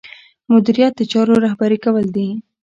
مدیریت د چارو رهبري کول دي.